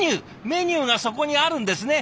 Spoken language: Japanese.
メニューがそこにあるんですね。